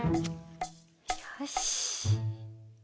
よし！